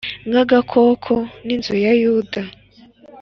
nk agakoko d n inzu ya Yuda